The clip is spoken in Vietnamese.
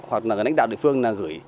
hoặc là lãnh đạo địa phương gửi